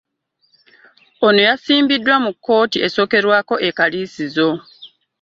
Ono yasimbiddwa mu kkooti esookerwako e Kaliisizo